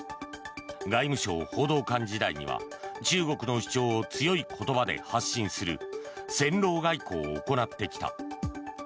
外務省報道官時代には中国の主張を強い言葉で発信する戦狼外交を行ってきた。